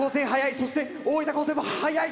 そして大分高専も速い。